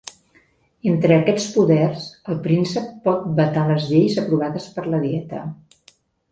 Entre aquests poders, el príncep pot vetar les lleis aprovades per la dieta.